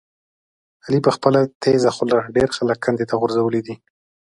علي په خپله تېزه خوله ډېر خلک کندې ته غورځولي دي.